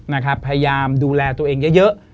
นะครับพยายามดูแลตัวเองเยอะ